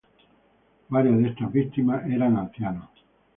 Varias de estas víctimas eran ancianos.